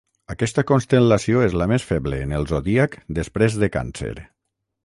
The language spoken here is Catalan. Aquesta constel·lació és la més feble en el zodíac després de Càncer.